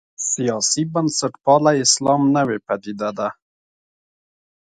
سیاسي بنسټپالی اسلام نوې پدیده ده.